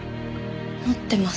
持ってます。